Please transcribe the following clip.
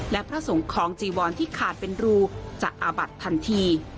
และพระสงฆ์ของจีวอนที่ขาดเป็นรูจะอาบัดทันที